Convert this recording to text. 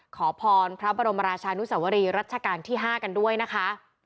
ขอพรพระบรมราชานุสวรีรัชกาลที่๕กันด้วยนะคะ